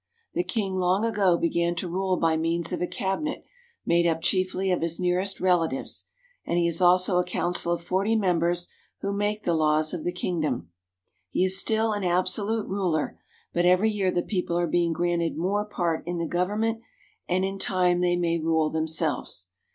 The king long ago began to rule by means of a cabinet made up chiefly of his nearest relatives ; and he has also a council of forty members who make the laws of the king THE KING OF SIAM AND HIS GOVERNMENT 195 dom. He is still an absolute ruler, but every year the people are being granted more part in the government and in time they may rule themselves.